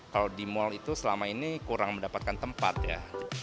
kalau di mal itu selama ini kurang mendapatkan tempat ya